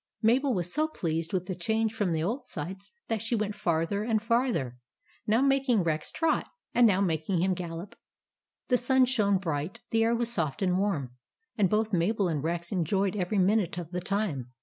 Mabel was so pleased with the change from the old sights, that she went farther and farther, now making Rex trot, and now making him gallop. The sun shone bright ; the air was soft and warm ; and both Mabel and Rex enjoyed every minute of the time.